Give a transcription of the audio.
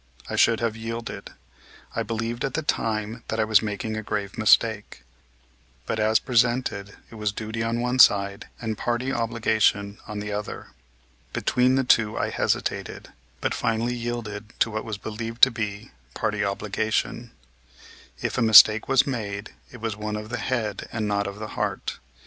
I should not have yielded. I believed at the time that I was making a grave mistake. But as presented, it was duty on one side, and party obligation on the other. Between the two I hesitated, but finally yielded to what was believed to be party obligation. If a mistake was made, it was one of the head and not of the heart.